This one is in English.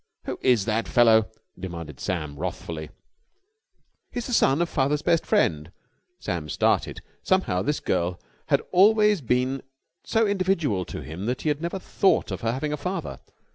"Who is that fellow?" demanded Sam wrathfully. "He's the son of father's best friend." Sam started. Somehow this girl had always been so individual to him that he had never thought of her having a father.